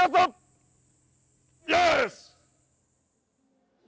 よし！